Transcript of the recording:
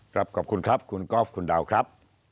ขอบคุณครับคุณกอล์ฟคุณดาวครับ